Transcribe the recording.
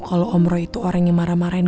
kalau om roy itu orang yang marah marahin